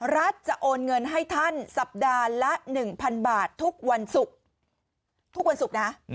รัฐจะโอนเงินให้ท่านสัปดาห์ละ๑๐๐๐บาททุกวันศุกร์ทุกวันศุกร์นะ